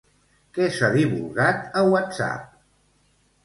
Què s'ha divulgat a Whatsapp?